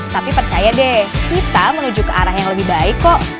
tapi percaya deh kita menuju ke arah yang lebih baik kok